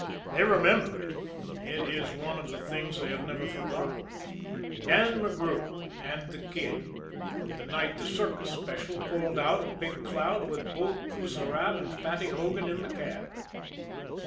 They remember it it is one of the things they have never forgotten Dan McGrew and the Kid, and the night the Circus Special pulled out of Big Cloud with Bull Coussirat and Fatty Hogan in the cab.